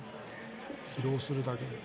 披露するだけで。